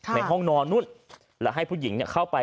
ในห้องนอนนู่นแล้วให้ผู้หญิงเข้าไป